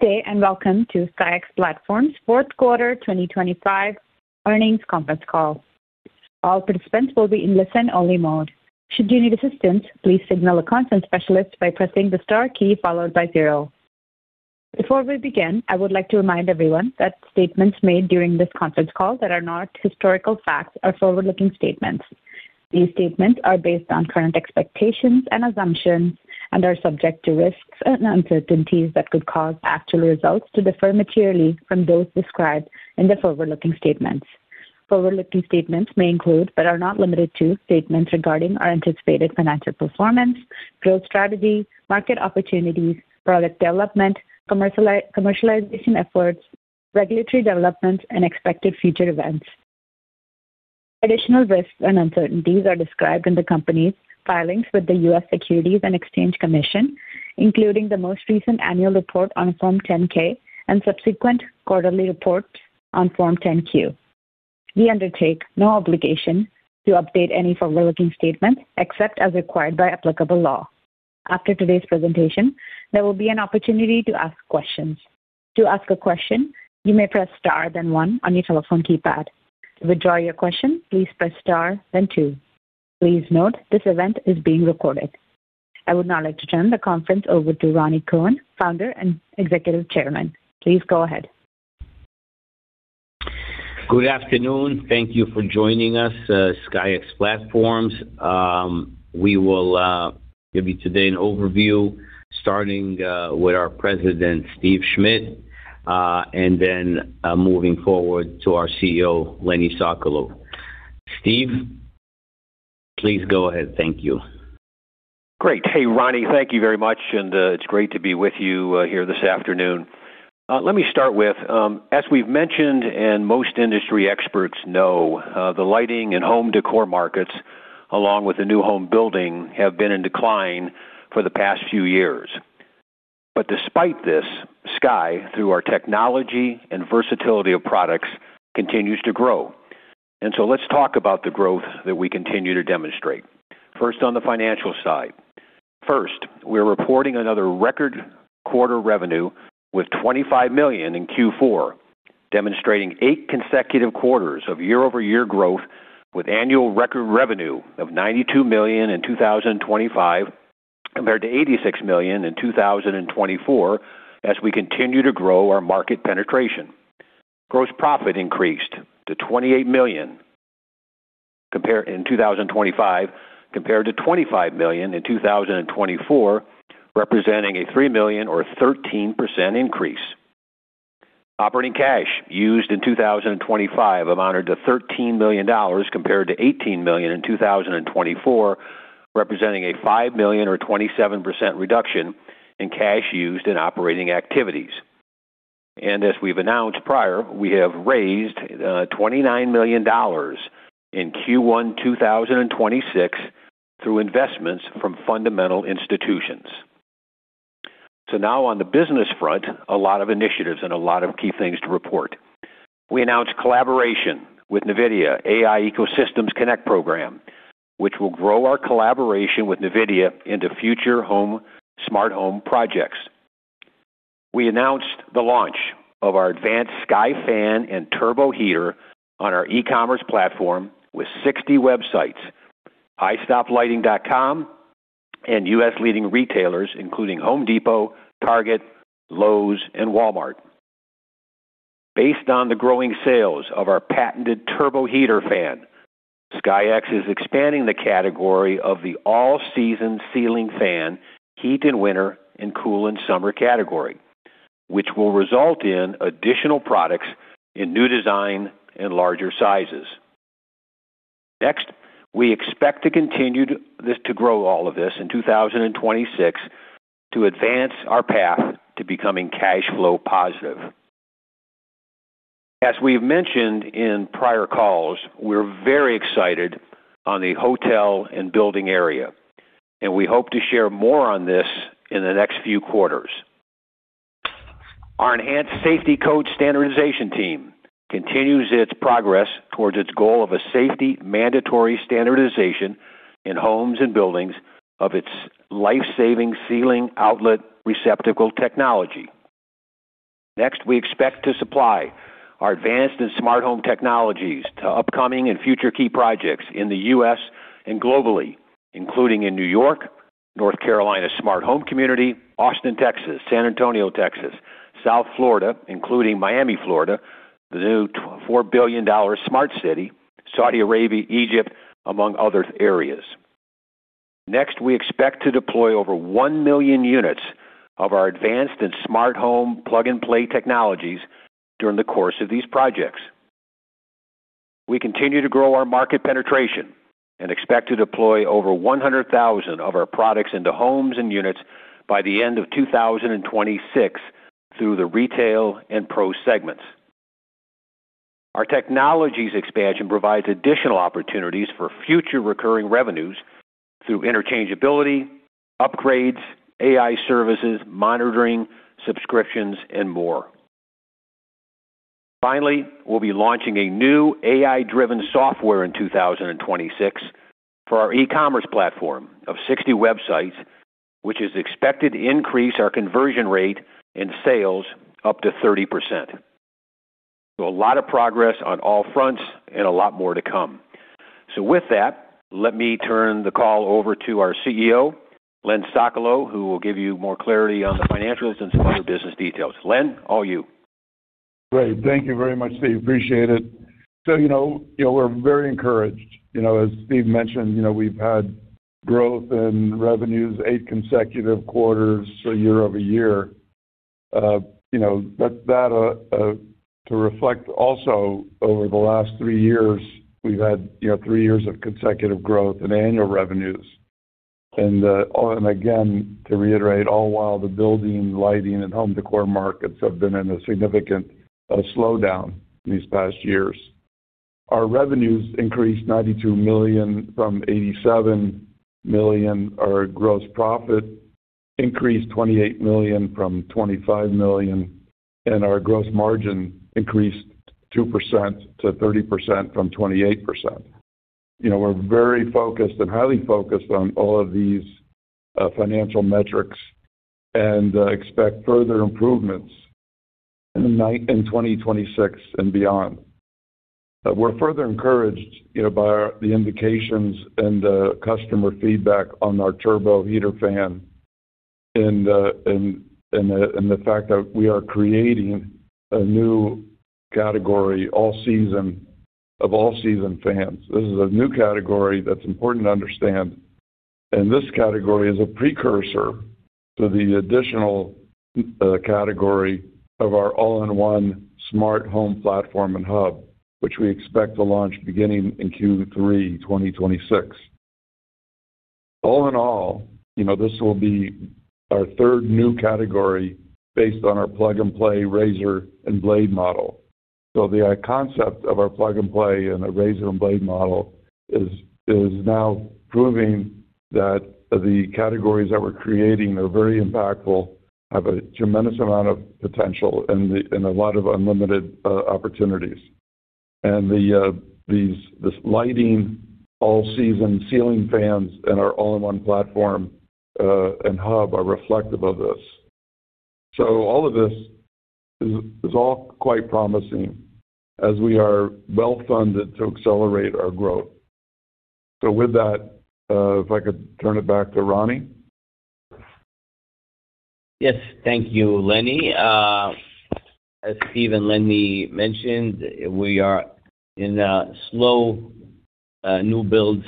Good day, and welcome to SKYX Platforms' fourth quarter 2025 earnings conference call. All participants will be in listen-only mode. Should you need assistance, please signal a conference specialist by pressing the star key followed by zero. Before we begin, I would like to remind everyone that statements made during this conference call that are not historical facts are forward-looking statements. These statements are based on current expectations and assumptions and are subject to risks and uncertainties that could cause actual results to differ materially from those described in the forward-looking statements. Forward-looking statements may include, but are not limited to, statements regarding our anticipated financial performance, growth strategy, market opportunities, product development, commercialization efforts, regulatory developments, and expected future events. Additional risks and uncertainties are described in the company's filings with the U.S. Securities and Exchange Commission, including the most recent annual report on Form 10-K and subsequent quarterly report on Form 10-Q. We undertake no obligation to update any forward-looking statements except as required by applicable law. After today's presentation, there will be an opportunity to ask questions. To ask a question, you may press Star then one on your telephone keypad. To withdraw your question, please press Star then two. Please note this event is being recorded. I would now like to turn the conference over to Rani Kohen, Founder and Executive Chairman. Please go ahead. Good afternoon. Thank you for joining us, SKYX Platforms. We will give you today an overview starting with our President, Steven Schmidt, and then moving forward to our CEO, Leonard Sokolow. Steven, please go ahead. Thank you. Great. Hey, Rani. Thank you very much. It's great to be with you here this afternoon. Let me start with as we've mentioned and most industry experts know, the lighting and home decor markets, along with the new home building, have been in decline for the past few years. Despite this, SKYX, through our technology and versatility of products, continues to grow. Let's talk about the growth that we continue to demonstrate. First, on the financial side. First, we're reporting another record quarter revenue with $25 million in Q4, demonstrating 8 consecutive quarters of year-over-year growth with annual record revenue of $92 million in 2025 compared to $86 million in 2024 as we continue to grow our market penetration. Gross profit increased to $28 million in 2025 compared to $25 million in 2024, representing a $3 million or 13% increase. Operating cash used in 2025 amounted to $13 million compared to $18 million in 2024, representing a $5 million or 27% reduction in cash used in operating activities. As we've announced prior, we have raised $29 million in Q1 2026 through investments from fundamental institutions. Now on the business front, a lot of initiatives and a lot of key things to report. We announced collaboration with NVIDIA AI Ecosystems Connect Program, which will grow our collaboration with NVIDIA into future smart home projects. We announced the launch of our advanced Sky-Fan & Turbo-Heater on our e-commerce platform with 60 websites, 1stoplighting.com, and U.S. leading retailers, including Home Depot, Target, Lowe's, and Walmart. Based on the growing sales of our patented Turbo Heater Fan, SKYX is expanding the category of the all-season ceiling fan heat in winter and cool in summer category, which will result in additional products in new design and larger sizes. Next, we expect to continue this to grow all of this in 2026 to advance our path to becoming cash flow positive. As we've mentioned in prior calls, we're very excited on the hotel and building area, and we hope to share more on this in the next few quarters. Our enhanced safety code standardization team continues its progress towards its goal of a safety mandatory standardization in homes and buildings of its life-saving ceiling outlet receptacle technology. We expect to supply our advanced and smart home technologies to upcoming and future key projects in the U.S. and globally, including in New York, North Carolina Smart Home Community, Austin, Texas, San Antonio, Texas, South Florida, including Miami, Florida, the new $2.4 billion smart city, Saudi Arabia, Egypt, among other areas. We expect to deploy over 1 million units of our advanced and smart home plug-and-play technologies during the course of these projects. We continue to grow our market penetration and expect to deploy over 100,000 of our products into homes and units by the end of 2026 through the retail and pro segments. Our technologies expansion provides additional opportunities for future recurring revenues through interchangeability, upgrades, AI services, monitoring, subscriptions, and more. Finally, we'll be launching a new AI-driven software in 2026 for our e-commerce platform of 60 websites, which is expected to increase our conversion rate in sales up to 30%. A lot of progress on all fronts and a lot more to come. With that, let me turn the call over to our CEO, Len Sokolow, who will give you more clarity on the financials and some other business details. Len, over to you. Great. Thank you very much, Steve. Appreciate it. We're very encouraged, as Steve mentioned, we've had growth in revenues eight consecutive quarters, so year over year. To reflect also over the last three years, we've had three years of consecutive growth in annual revenues. Again, to reiterate, all while the building, lighting, and home decor markets have been in a significant slowdown these past years. Our revenues increased $92 million from $87 million. Our gross profit increased $28 million from $25 million, and our gross margin increased 2% to 30% from 28%. You know, we're very focused and highly focused on all of these financial metrics and expect further improvements in 2026 and beyond. We're further encouraged by the indications and the customer feedback on our turbo heater fan and the fact that we are creating a new category of all-season fans. This is a new category that's important to understand, and this category is a precursor to the additional category of our All-In-One Smart Platform and hub, which we expect to launch beginning in Q3 2026. All in all this will be our third new category based on our plug-and-play razor and blade model. The concept of our plug-and-play and the razor and blade model is now proving that the categories that we're creating are very impactful, have a tremendous amount of potential and a lot of unlimited opportunities. This lighting all season ceiling fans and our all-in-one platform and hub are reflective of this. All of this is all quite promising as we are well-funded to accelerate our growth. With that, if I could turn it back to Rani. Yes. Thank you, Lenny. As Steve and Lenny mentioned, we are in a slow new build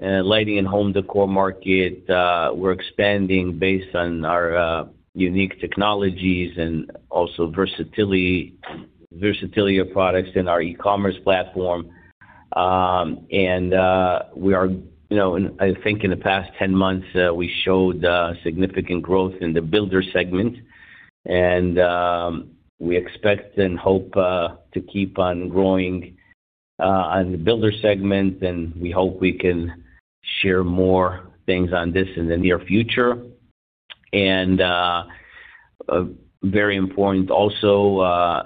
lighting and home decor market. We're expanding based on our unique technologies and also versatility of products in our e-commerce platform. In the past 10 months, we showed significant growth in the builder segment and we expect and hope to keep on growing on the builder segment, and we hope we can share more things on this in the near future. Very important also,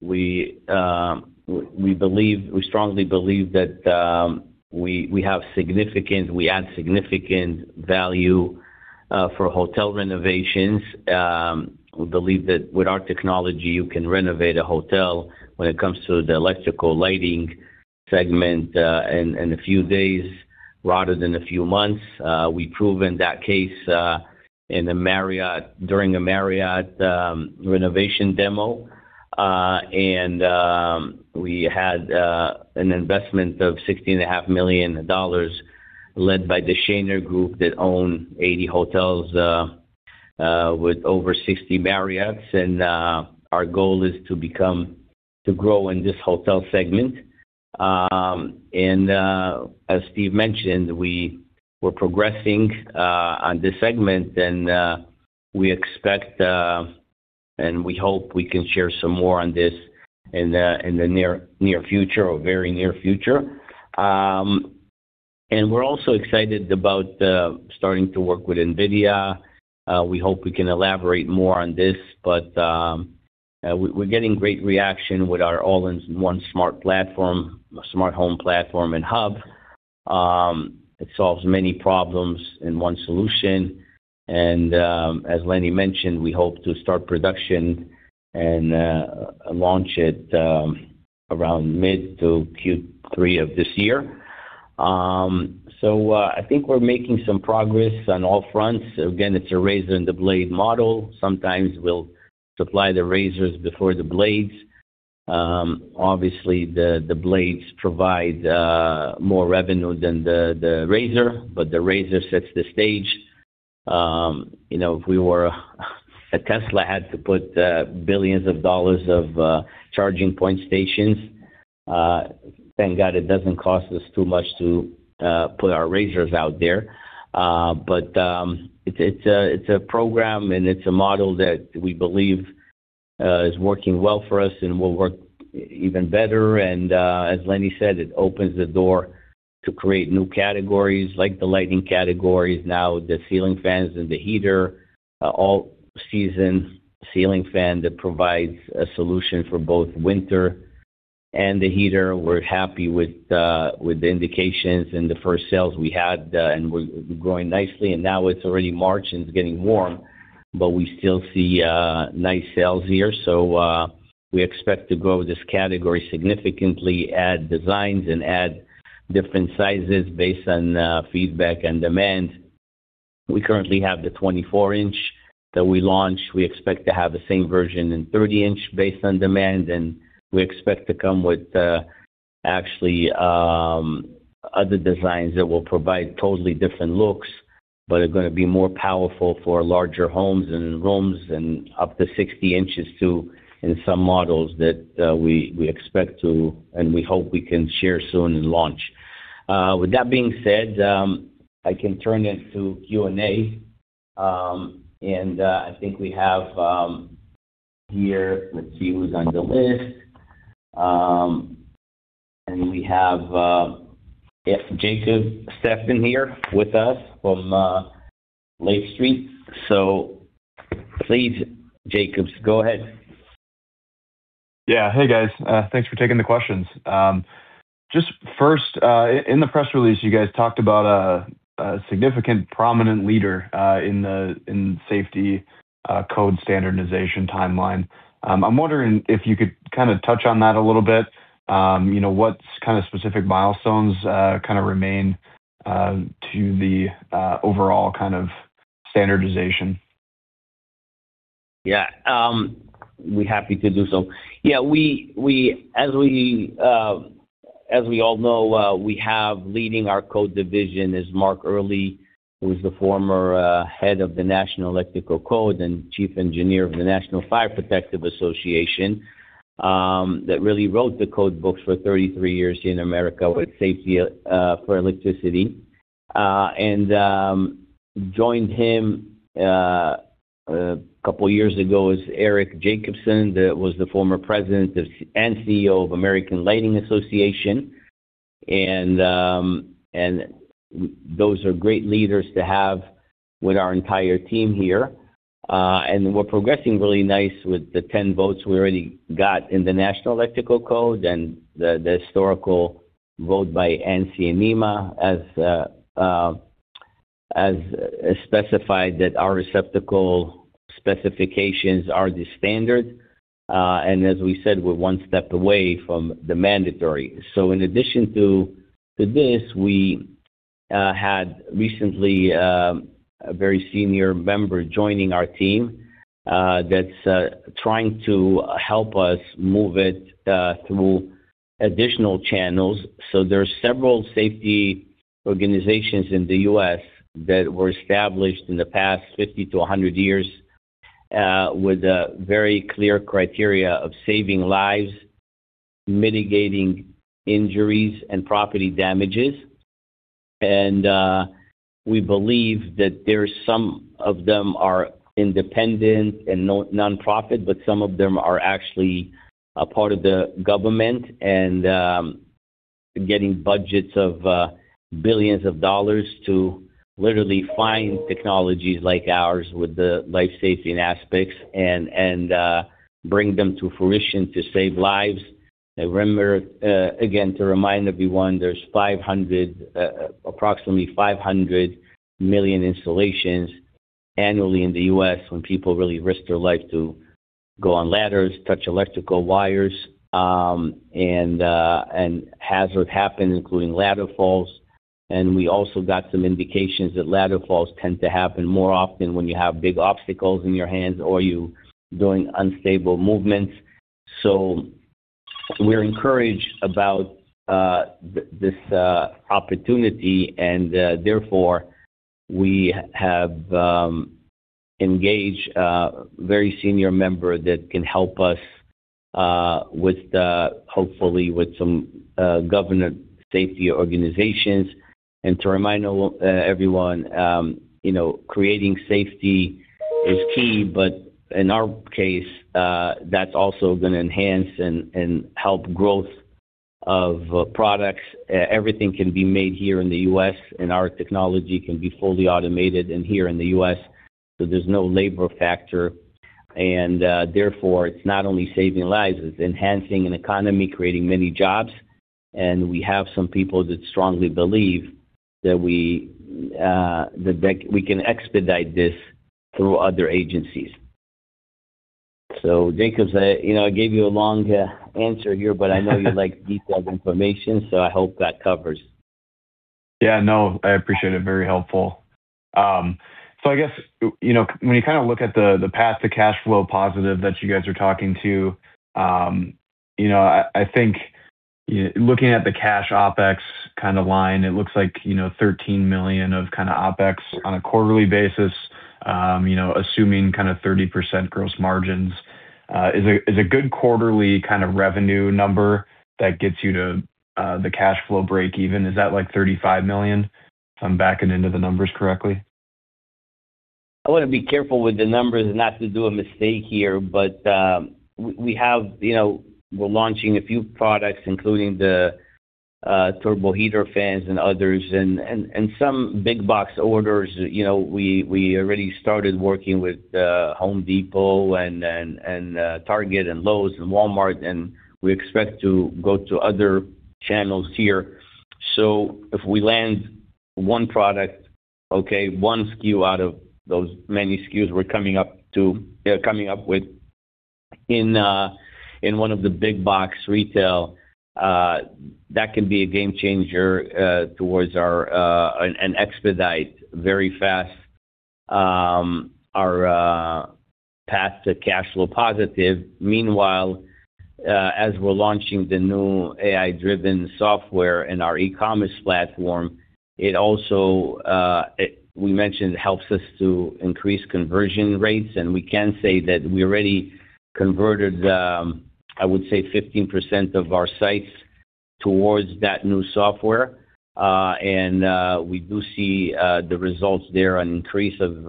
we believe, we strongly believe that we add significant value for hotel renovations. We believe that with our technology, you can renovate a hotel when it comes to the electrical lighting segment in a few days rather than a few months. We've proven that case in the Marriott during a Marriott renovation demo. We had an investment of $60.5 million led by the Shaner Group that own 80 hotels with over 60 Marriotts. Our goal is to grow in this hotel segment. As Steve mentioned, we were progressing on this segment and we expect and we hope we can share some more on this in the near future or very near future. We're also excited about starting to work with NVIDIA. We hope we can elaborate more on this, but we're getting great reaction with our All-In-One Smart Platform, smart home platform and hub. It solves many problems in one solution. As Lenny mentioned, we hope to start production and launch it around mid to Q3 of this year. We're making some progress on all fronts. Again, it's a razor and the blade model. Sometimes we'll supply the razors before the blades. Obviously the blades provide more revenue than the razor, but the razor sets the stage. If Tesla had to put billions of dollars of charging point stations, thank God it doesn't cost us too much to put our razors out there. It's a program and it's a model that we believe is working well for us and will work even better. As Lenny said, it opens the door to create new categories like the lighting categories, now the ceiling fans and the heater, all season ceiling fan that provides a solution for both winter and the heater. We're happy with the indications and the first sales we had, and we're growing nicely. Now it's already March and it's getting warm, but we still see nice sales here. We expect to grow this category significantly, add designs, and add different sizes based on feedback and demand. We currently have the 24-inch that we launched. We expect to have the same version in 30-inch based on demand, and we expect to come with actually other designs that will provide totally different looks, but are gonna be more powerful for larger homes and rooms and up to 60 inches too, in some models that we expect to and we hope we can share soon and launch. With that being said, I can turn it to Q&A. I think we have here, let's see who's on the list. We have yes, Jacob Stephan here with us from Lake Street. So please, Jacob, go ahead. Hey, guys. Thanks for taking the questions. Just first, in the press release, you guys talked about a significant prominent leader in the safety code standardization timeline. I'm wondering if you could kinda touch on that a little bit. You know, what kind of specific milestones kinda remain to the overall kind of standardization? Yeah. We're happy to do so. As we all know, we have leading our code division Mark Earley, who's the former head of the National Electrical Code and Chief Engineer of the National Fire Protection Association that really wrote the code books for 33 years here in America with safety for electricity. Joined him a couple of years ago is Eric Jacobson, who was the former president and CEO of American Lighting Association. Those are great leaders to have with our entire team here. We're progressing really nice with the 10 votes we already got in the National Electrical Code and the historical vote by ANSI and NEMA as specified that our receptacle specifications are the standard. As we said, we're one step away from the mandatory. In addition to this, we had recently a very senior member joining our team that's trying to help us move it through additional channels. There are several safety organizations in the U.S. that were established in the past 50 to 100 years with a very clear criteria of saving lives, mitigating injuries and property damages. We believe that there are some of them are independent and nonprofit, but some of them are actually a part of the government and getting budgets of billions of dollars to literally find technologies like ours with the life safety and aspects and bring them to fruition to save lives. Remember, again, to remind everyone, there's approximately 500 million installations annually in the U.S. when people really risk their life to go on ladders, touch electrical wires, and hazards happen, including ladder falls. We also got some indications that ladder falls tend to happen more often when you have big obstacles in your hands or you're doing unstable movements. We're encouraged about this opportunity, and therefore, we have engaged a very senior member that can help us with, hopefully, some government safety organizations. To remind everyone creating safety is key, but in our case, that's also gonna enhance and help growth of products. Everything can be made here in the U.S., and our technology can be fully automated here in the U.S. There's no labor factor. Therefore, it's not only saving lives, it's enhancing an economy, creating many jobs. We have some people that strongly believe that we can expedite this through other agencies. Jack Vander Aarde, you know, I gave you a long answer here, but I know you like detailed information, so I hope that covers. Yeah, no, I appreciate it. Very helpful. When you kinda look at the path to cash flow positive that you guys are talking to, I think looking at the cash OpEx kinda line, it looks like $13 million of kinda OpEx on a quarterly basis assuming kinda 30% gross margins. Is a good quarterly kind of revenue number that gets you to the cash flow break even? Is that like $35 million if I'm backing into the numbers correctly? I wanna be careful with the numbers not to do a mistake here, but we have we're launching a few products, including the Turbo Heater fans and others and some big box orders. We already started working with Home Depot and Target and Lowe's and Walmart, and we expect to go to other channels here. If we land one product, okay, one SKU out of those many SKUs we're coming up with in one of the big box retailers, that can be a game changer towards an expedited very fast path to cash flow positive. Meanwhile, as we're launching the new AI-driven software in our e-commerce platform, it also we mentioned helps us to increase conversion rates, and we can say that we already converted I would say 15% of our sites towards that new software. We do see the results there, an increase of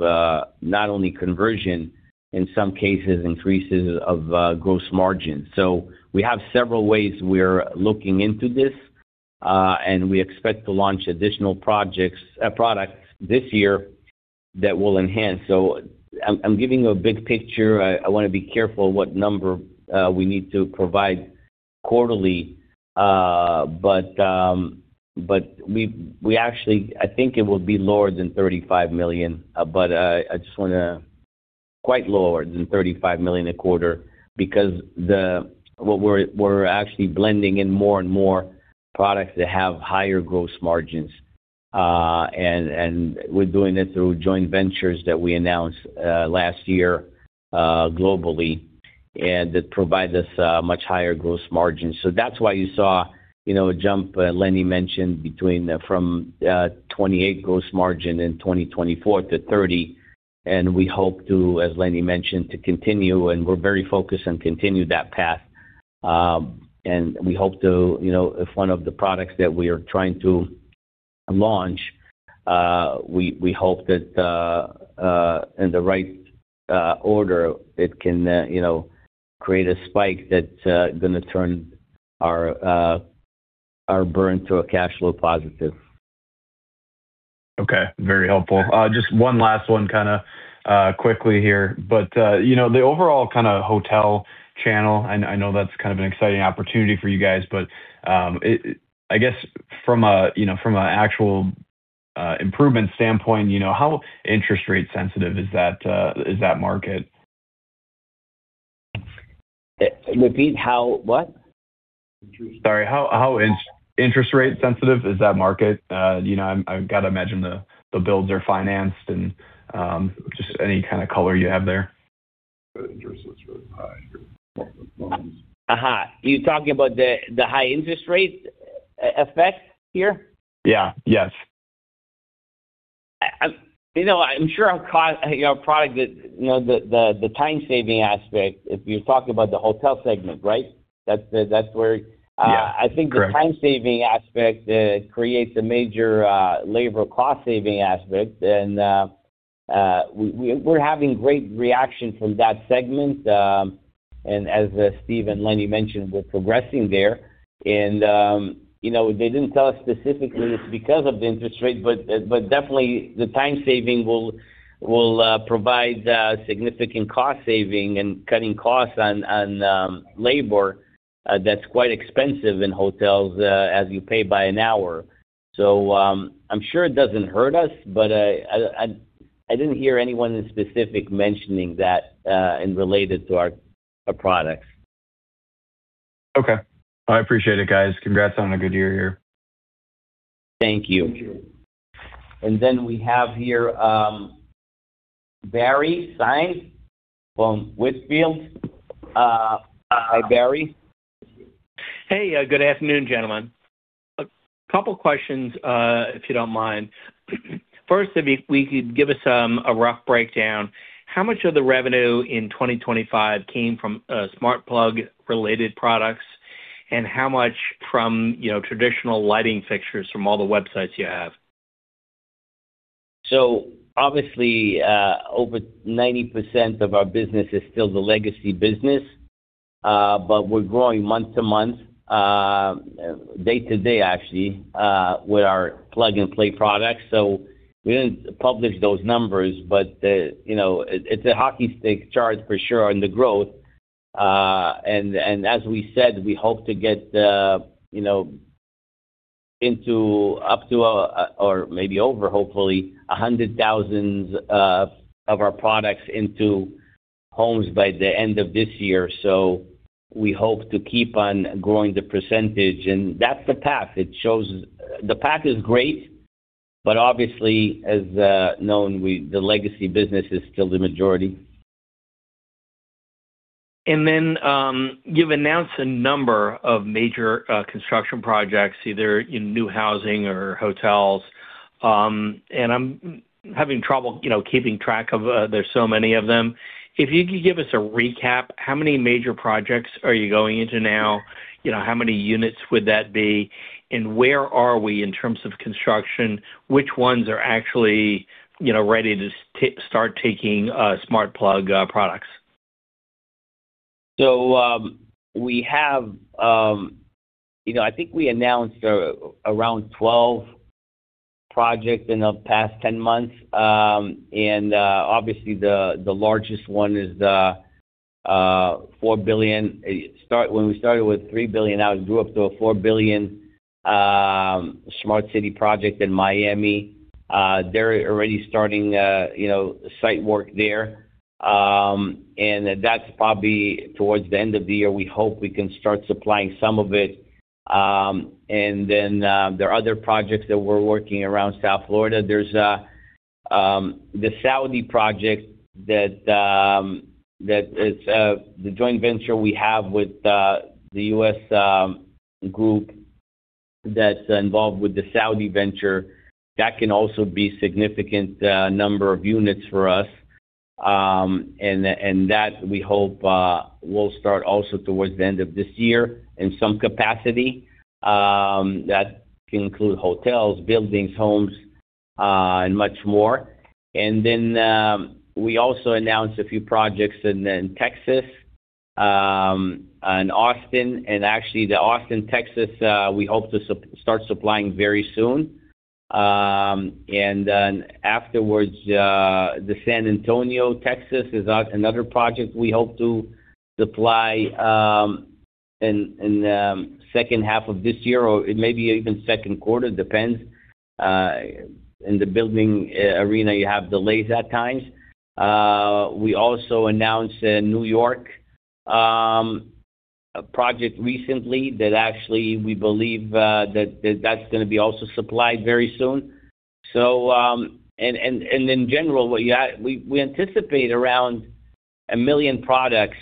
not only conversion, in some cases increases of gross margin. We have several ways we're looking into this, and we expect to launch additional products this year that will enhance. I'm giving you a big picture. I wanna be careful what number we need to provide quarterly. We actually I think it will be lower than $35 million, but I just wanna quite lower than $35 million a quarter because the We're actually blending in more and more products that have higher gross margins. We're doing it through joint ventures that we announced last year globally, and that provide us a much higher gross margin. That's why you saw a jump Lenny mentioned from 28% gross margin in 2024 to 30%. We hope to, as Lenny mentioned, continue, and we're very focused on continue that path. We hope to if one of the products that we are trying to launch, we hope that in the right order, it can create a spike that's gonna turn our burn to a cash flow positive. Okay. Very helpful. Just one last one kinda quickly here. The overall kinda hotel channel, I know that's kind of an exciting opportunity for you guys, but from a from an actual improvement standpoint how interest rate sensitive is that market? Repeat, how what? Sorry. How interest rate sensitive is that market? I've gotta imagine the builds are financed and just any kind of color you have there. You're talking about the high interest rate effect here? Yeah. Yes. I'm sure our product the time saving aspect, if you're talking about the hotel segment, right? That's where- Yeah. Correct. The time saving aspect creates a major labor cost saving aspect. We're having great reaction from that segment. As Steve and Lenny mentioned, we're progressing there. They didn't tell us specifically it's because of the interest rate, but definitely the time saving will provide significant cost saving and cutting costs on labor that's quite expensive in hotels as you pay by an hour. I'm sure it doesn't hurt us, but I didn't hear anyone in specific mentioning that in related to our products. Okay. I appreciate it, guys. Congrats on a good year here. Thank you. We have here, Barry Sine from Litchfield. Hi, Barry. Hey, good afternoon, gentlemen. A couple questions, if you don't mind. First, if you could give us a rough breakdown, how much of the revenue in 2025 came from smart plug related products and how much from traditional lighting fixtures from all the websites you have? Obviously, over 90% of our business is still the legacy business, but we're growing month to month, day to day actually, with our plug-and-play products. We didn't publish those numbers, but it's a hockey stick chart for sure on the growth, and as we said, we hope to get into up to, or maybe over, hopefully, 100,000 of our products into homes by the end of this year. We hope to keep on growing the percentage, and that's the path. It shows the path is great, but obviously, as known, the legacy business is still the majority. You've announced a number of major construction projects, either in new housing or hotels, and I'm having trouble keeping track of, there's so many of them. If you could give us a recap, how many major projects are you going into now? How many units would that be? Where are we in terms of construction? Which ones are actually ready to start taking smart plug products? We have I think we announced around 12 projects in the past 10 months. Obviously the largest one is the $4 billion. When we started with $3 billion, now it grew up to a $4 billion smart city project in Miami. They're already starting site work there. That's probably towards the end of the year, we hope we can start supplying some of it. There are other projects that we're working around South Florida. There's the Saudi project that is the joint venture we have with the U.S. group that's involved with the Saudi venture. That can also be significant number of units for us. That we hope will start also towards the end of this year in some capacity. That can include hotels, buildings, homes and much more. We also announced a few projects in Texas and Austin. Actually the Austin, Texas, we hope to start supplying very soon. Then afterwards, the San Antonio, Texas, is another project we hope to supply in the second half of this year, or it may be even second quarter, depends. In the building arena, you have delays at times. We also announced a New York project recently that actually we believe that that's gonna be also supplied very soon. In general, we anticipate around 1 million products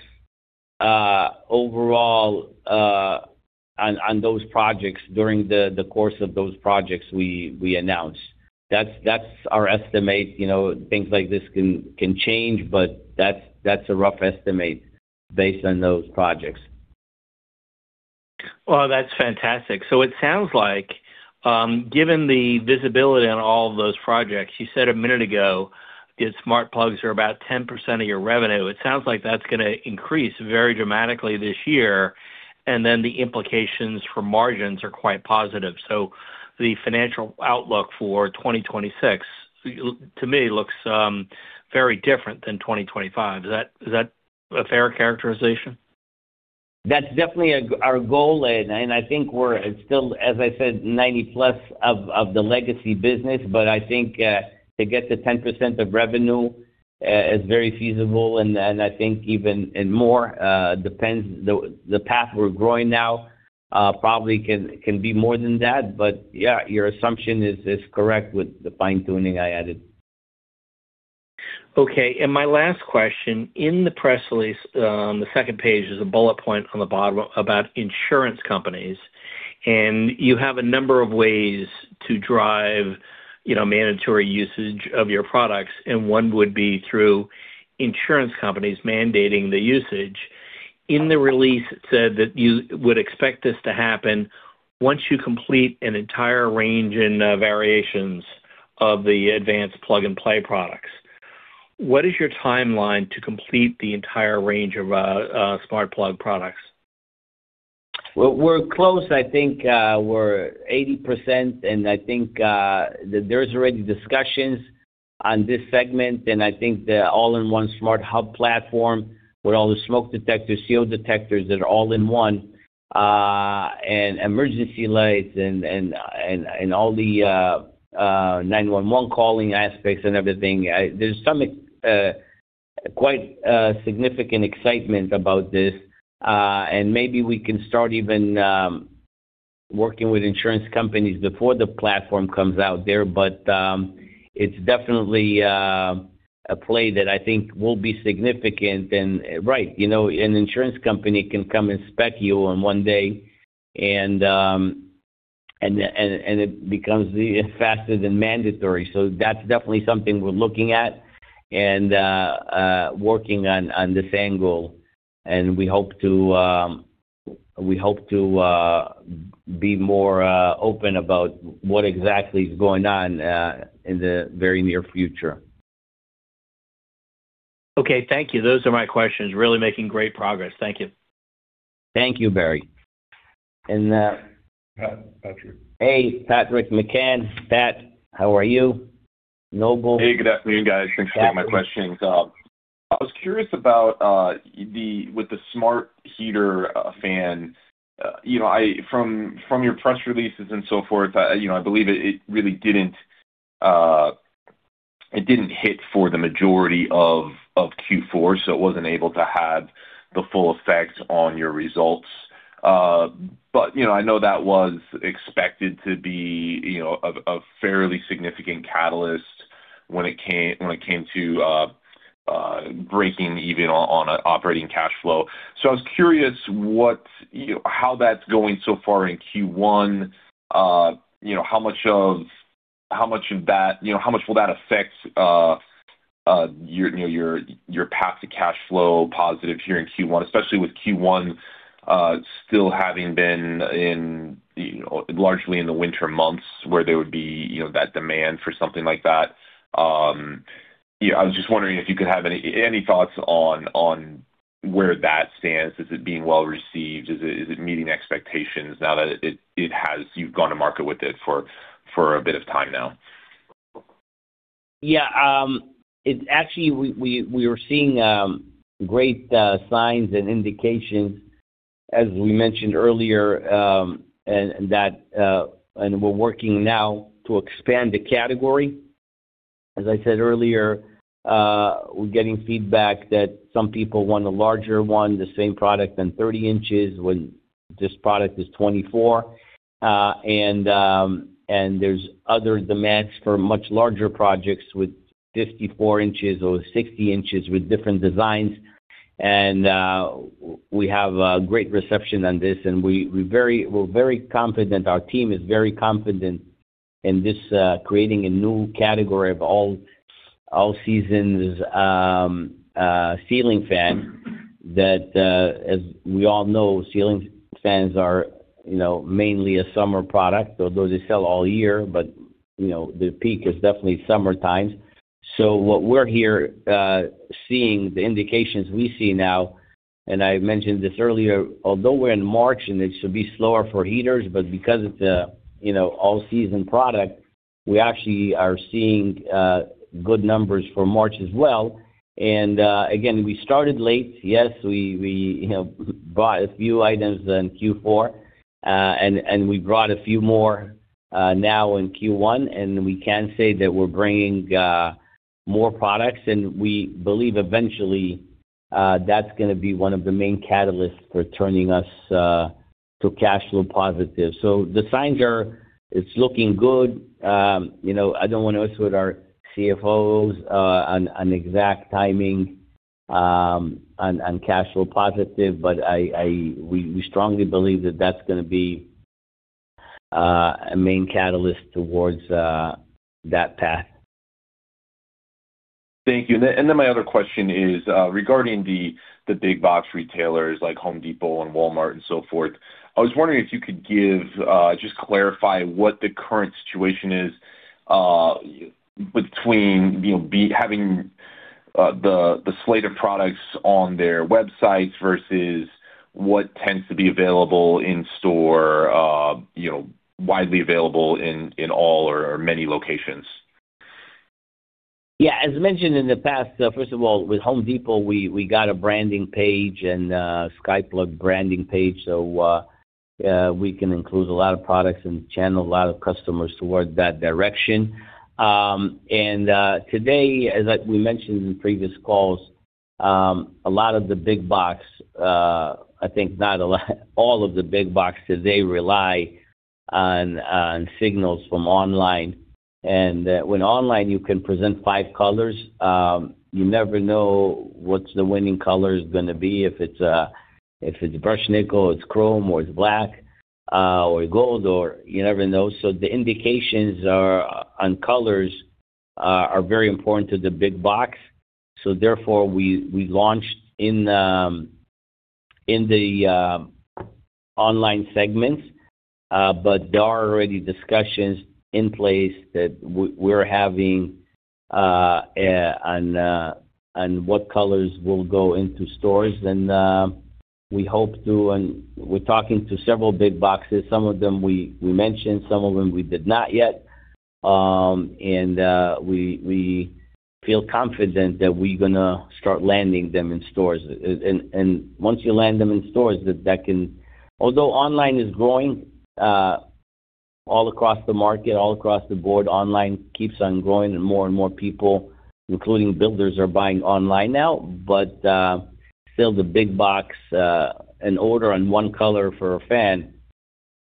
overall on those projects during the course of those projects we announced. That's our estimate. Things like this can change, but that's a rough estimate based on those projects. Well, that's fantastic. It sounds like, given the visibility on all of those projects, you said a minute ago that smart plugs are about 10% of your revenue. It sounds like that's gonna increase very dramatically this year, and then the implications for margins are quite positive. The financial outlook for 2026, to me, looks very different than 2025. Is that a fair characterization? That's definitely our goal. I think we're still, as I said, 90% of the legacy business. I think to get to 10% of revenue is very feasible. I think even more depends on the path we're growing now, probably can be more than that. Yeah, your assumption is correct with the fine-tuning I added. Okay, my last question. In the press release, the second page, there's a bullet point on the bottom about insurance companies. You have a number of ways to drive, you know, mandatory usage of your products, and one would be through insurance companies mandating the usage. In the release, it said that you would expect this to happen once you complete an entire range and variations of the advanced plug-and-play products. What is your timeline to complete the entire range of smart plug products? Well, we're close. I think we're 80%, and I think there's already discussions on this segment. I think the All-In-One Smart Platform with all the smoke detectors, CO detectors that are all-in-one, and emergency lights and all the 911 calling aspects and everything. There's some quite significant excitement about this, and maybe we can start even working with insurance companies before the platform comes out there. It's definitely a play that I think will be significant, right an insurance company can come inspect you on one day and it becomes even faster than mandatory, so that's definitely something we're looking at and working on this angle. We hope to be more open about what exactly is going on in the very near future. Okay. Thank you. Those are my questions. Really making great progress. Thank you. Thank you, Barry. Patrick. Hey, Patrick McCann. Pat, how are you? Noble. Hey, good afternoon, guys. Thanks for taking my questions. I was curious about with the smart heater fan from your press releases and so forth I believe it really didn't hit for the majority of Q4, so it wasn't able to have the full effect on your results. I know that was expected to be a fairly significant catalyst when it came to breaking even on operating cash flow. I was curious what how that's going so far in Q1. How much of that will affect your path to cash flow positive here in Q1, especially with Q1 still having been in largely in the winter months where there would be that demand for something like that. Yeah, I was just wondering if you could have any thoughts on where that stands. Is it being well-received? Is it meeting expectations now that it has. You've gone to market with it for a bit of time now. It's actually we are seeing great signs and indications, as we mentioned earlier, and we're working now to expand the category. As I said earlier, we're getting feedback that some people want a larger one, the same product than 30 inches when this product is 24. There's other demands for much larger projects with 54 inches or 60 inches with different designs. We have a great reception on this, and we're very confident. Our team is very confident in this creating a new category of all seasons ceiling fan that, as we all know, ceiling fans are, you know, mainly a summer product, although they sell all year. The peak is definitely summertime. What we're seeing here, the indications we see now, and I mentioned this earlier, although we're in March and it should be slower for heaters, but because it's a all-season product, we actually are seeing good numbers for March as well. Again, we started late. Yes, we bought a few items in Q4 and we brought a few more now in Q1, and we can say that we're bringing more products. We believe eventually that's gonna be one of the main catalysts for turning us to cash flow positive. The signs are, it's looking good. I don't wanna mess with our CFOs on exact timing on cash flow positive, but we strongly believe that that's gonna be a main catalyst towards that path. Thank you. My other question is regarding the big box retailers like Home Depot and Walmart and so forth. I was wondering if you could give just clarify what the current situation is between having the slate of products on their websites versus what tends to be available in store widely available in all or many locations. Yeah. As mentioned in the past, first of all, with Home Depot, we got a branding page and a SkyPlug branding page, so we can include a lot of products and channel a lot of customers towards that direction. Today, as we mentioned in previous calls, all of the big box today rely on signals from online, and when online, you can present 5 colors. You never know what's the winning color is gonna be, if it's brushed nickel or it's chrome or it's black, or gold, or you never know. The indications on colors are very important to the big box, so therefore we launched in the online segments. There are already discussions in place that we're having on what colors will go into stores and we hope to. We're talking to several big boxes. Some of them we mentioned, some of them we did not yet. We feel confident that we're gonna start landing them in stores. Once you land them in stores, that can, although online is growing all across the market, all across the board, online keeps on growing, and more and more people, including builders, are buying online now. Still the big box, an order on one color for a fan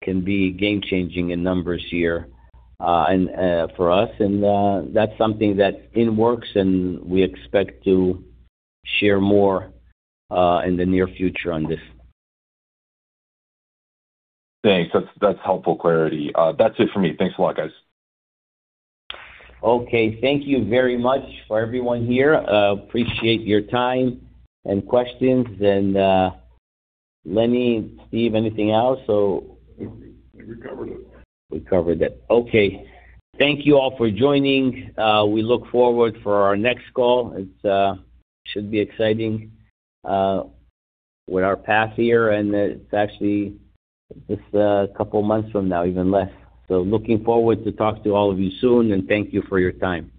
can be game-changing in numbers here, and for us. That's something that's in the works and we expect to share more in the near future on this. Thanks. That's helpful clarity. That's it for me. Thanks a lot, guys. Okay. Thank you very much for everyone here. Appreciate your time and questions. Lenny, Steve, anything else? No. We covered it. We covered it. Okay. Thank you all for joining. We look forward for our next call. It should be exciting with our path here, and it's actually just a couple of months from now, even less. Looking forward to talk to all of you soon, and thank you for your time.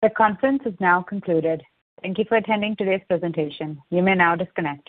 The conference is now concluded. Thank you for attending today's presentation. You may now disconnect.